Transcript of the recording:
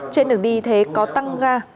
trên đường đi thế có tăng ga